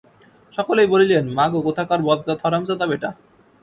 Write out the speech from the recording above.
সকলেই বলিলেন, মাগো, কোথাকার বজ্জাত হারামজাদা বেটা।